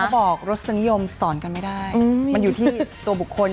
บอกรสนิยมสอนกันไม่ได้มันอยู่ที่ตัวบุคคล